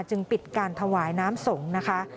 จึงปิดการถวายน้ำส่งนะคะ